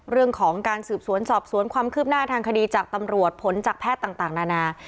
เรื่องของการสืบสวนสอบสวนความคืบหน้าทางคดีจากตำรวจผลจากแพทย์ต่างนานา